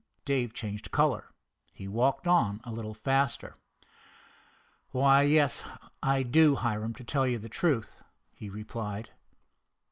Dave changed color. He walked on a little faster. "Why, yes, I do, Hiram, to tell you the truth," he replied.